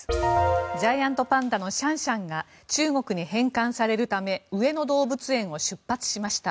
ジャイアントパンダのシャンシャンが中国に返還されるため上野動物園を出発しました。